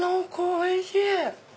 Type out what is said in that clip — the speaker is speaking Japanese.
おいしい！